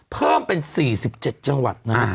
เพิ่มเป็น๔๗จังหวัดนะ